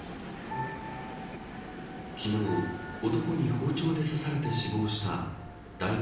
昨日、男に包丁で刺されて死亡した大学